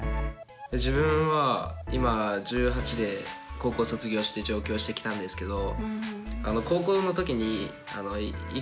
自分は今１８で高校を卒業して上京してきたんですけど。